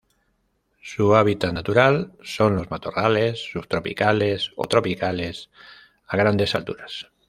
Su hábitat natural son los matorrales subtropicales o tropicales a grandes alturas.